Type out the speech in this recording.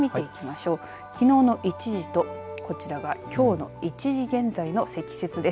きのうの１時と、こちらがきょうの１時現在の積雪です。